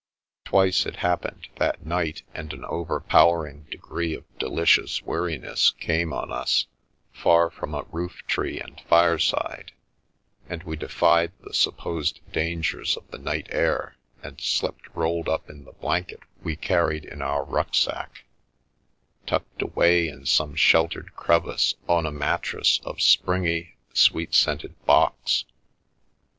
Twice it happened that night and an overpowering degree of de licious weariness came on us, far from a roof tree and fireside, and we defied the supposed dangers of the night air and slept rolled up in the blanket we carried in our ruck sack, tucked away in some sheltered crevice on a mattress of springy, sweet scented box.